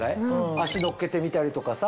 脚乗っけてみたりとかさ。